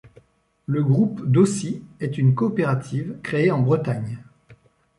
Le groupe d'aucy est une coopérative créée en Bretagne